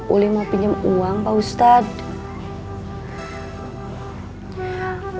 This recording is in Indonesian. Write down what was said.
uli mau pinjam uang pak ustadz